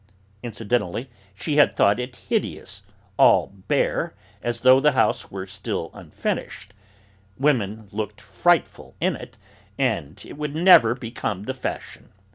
Incidentally, she had thought it hideous, all bare, as though the house were still unfinished; women looked frightful in it, and it would never become the fashion.